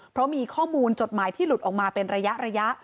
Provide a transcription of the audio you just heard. เพราะมีข้อมูลจดหมายที่หลุดออกมาเป็นระยะ